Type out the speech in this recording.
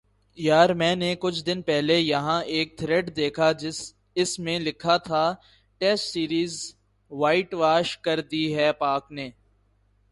یار میں نے کچھ دن پہلے یہاں ایک تھریڈ دیکھا اس میں لکھا تھا ٹیسٹ سیریز وائٹ واش کر دی ہے پاک نے